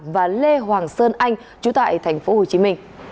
và lê hoàng sơn anh chú tại tp hcm